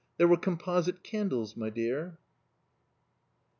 There were composite candles, my dear."